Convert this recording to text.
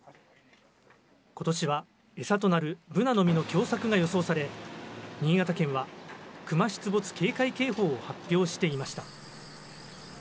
ことしは餌となるブナの実の凶作が予想され、新潟県は、クマ出没警戒警報を発表していました。